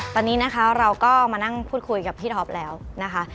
ตอนนี้นะคะเราก็มานั่งพูดคุยกับพี่ท็อปแล้วนะคะ